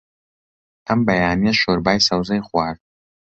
ئەم بەیانییە شۆربای سەوزەی خوارد.